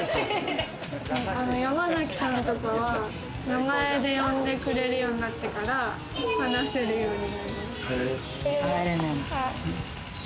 山崎さんとかは、名前で呼んでくれるようになってから話せるようになりました。